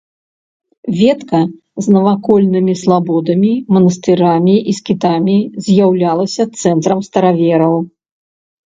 Ветка з навакольнымі слабодамі, манастырамі і скітамі з'яўлялася цэнтрам старавераў.